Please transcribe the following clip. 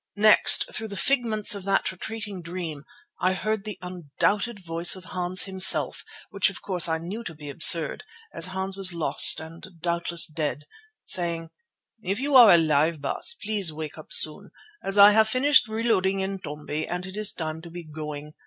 Next, through the figments of that retreating dream, I heard the undoubted voice of Hans himself, which of course I knew to be absurd as Hans was lost and doubtless dead, saying: "If you are alive, Baas, please wake up soon, as I have finished reloading Intombi, and it is time to be going.